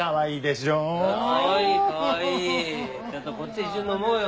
ちょっとこっちで一緒に飲もうよ。